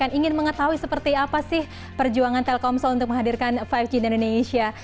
yang ingin mengetahui seperti apa sih perjuangan telkomsel untuk menghadirkan lima g di indonesia